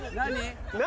何？